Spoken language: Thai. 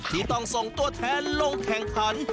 ที่ต้องส่งตัวแทนลงแข่งขัน